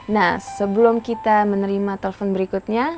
nah sebelum kita menerima telepon berikutnya